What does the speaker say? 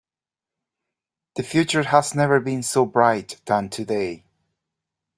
The future has never been so bright than today.